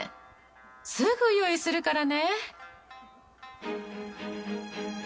すぐ用意するからね。